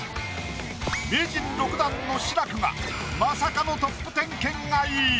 名人６段の志らくがまさかのトップ１０圏外！